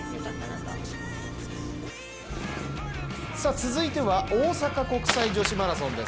続いては大阪国際女子マラソンです。